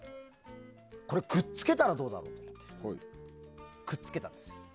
これ、くっつけたらどうだと思ってくっつけたんですよ。